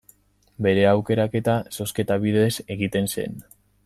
Bere aukeraketa, zozketa bidez egiten zen.